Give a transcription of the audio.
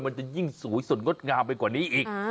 มันจะยิ่งสวยสดงดงามไปกว่านี้อีก